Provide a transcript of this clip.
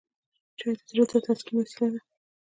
چای د زړه د تسکین وسیله ده